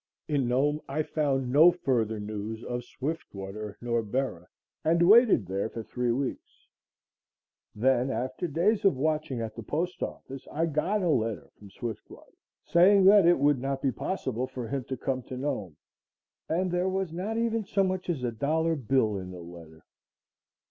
In Nome I found no further news of Swiftwater nor Bera and waited there for three weeks. Then, after days of watching at the postoffice, I got a letter from Swiftwater, saying that it would not be possible for him to come to Nome, and there was not even so much as a dollar bill in the letter.